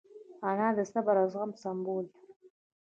انا د صبر او زغم سمبول ده